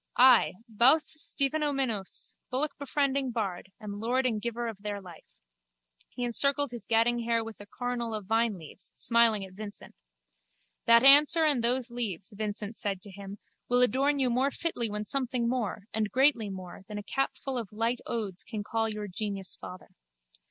I, Bous Stephanoumenos, bullockbefriending bard, am lord and giver of their life. He encircled his gadding hair with a coronal of vineleaves, smiling at Vincent. That answer and those leaves, Vincent said to him, will adorn you more fitly when something more, and greatly more, than a capful of light odes can call your genius father.